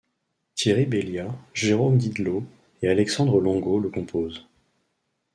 Thierry Bellia, Jérôme Didelot et Alexandre Longo le composent.